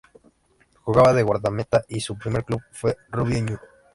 Jugaba de guardameta y su primer club fue Rubio Ñu.